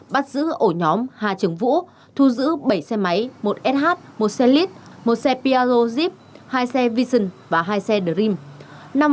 bắt giữ ổ nhóm hà trường vũ thu giữ bảy xe máy một sh một xe lit một xe piagojib hai xe vision và hai xe dream